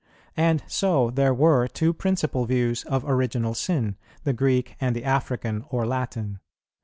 And so there were two principal views of Original Sin, the Greek and the African or Latin.